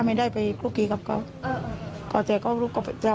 ไม่ได้รับทางยาเสกติด